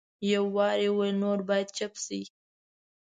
یو وار یې وویل نور باید چپ شئ.